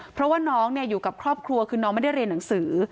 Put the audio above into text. เพราะว่าน้องอยู่กับครอบครัวคือน้องไม่ได้เรียนหนังสือ